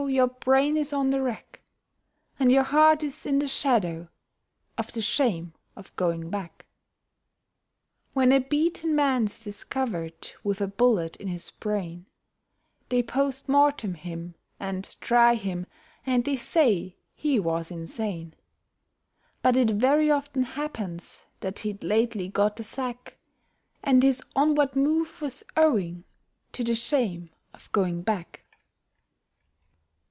your brain is on the rack, And your heart is in the shadow of the shame of going back. When a beaten man's discovered with a bullet in his brain, They POST MORTEM him, and try him, and they say he was insane; But it very often happens that he'd lately got the sack, And his onward move was owing to the shame of going back.